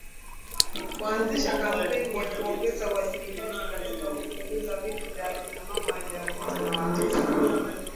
Kuanzisha kampeni ya kuongeza uwajibikaji katika kupunguza vifo vya akina mama wajawazito na watoto